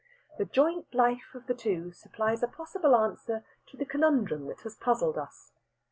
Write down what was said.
The joint life of the two supplies a possible answer to the conundrum that has puzzled us.